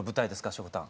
しょこたん。